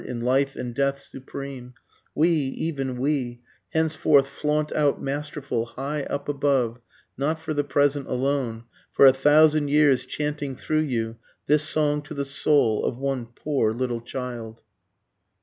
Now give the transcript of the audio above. in life and death supreme, We, even we, henceforth flaunt out masterful, high up above, Not for the present alone, for a thousand years chanting through you, This song to the soul of one poor little child.